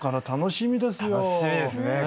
楽しみですね